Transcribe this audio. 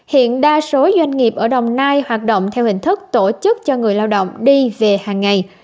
hiện đa số doanh nghiệp ở đồng nai hoạt động theo hình thức tổ chức cho người lao động đi về hàng ngày